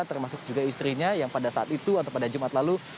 termasuk juga istrinya yang pada saat itu atau pada jumat lalu